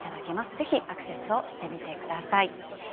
ぜひアクセスをしてみてください。